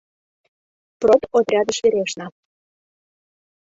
Продотрядыш верештна.